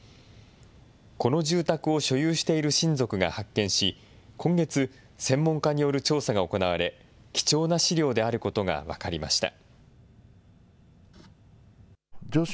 この住宅を所有している親族が発見し、今月、専門家による調査が行われ、貴重な資料であることが分かりました。